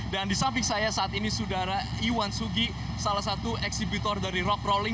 dan di samping saya saat ini sudara iwan sugi salah satu eksibitor dari rock crawling